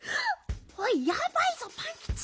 おいやばいぞパンキチ。